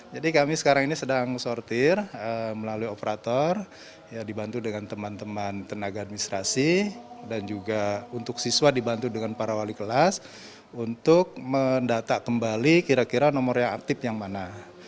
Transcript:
jadi kami sekarang ini sedang sortir melalui operator dibantu dengan teman teman tenaga administrasi dan juga untuk siswa dibantu dengan para wali kelas untuk mendata kembali kira kira nomor yang aktif yang mana